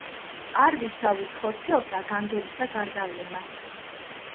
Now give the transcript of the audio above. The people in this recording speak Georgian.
არვის ძალუც ხორციელსა განგებისა გარდავლენა